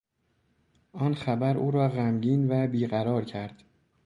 آن خبر او را غمگین و بیقرار کرد.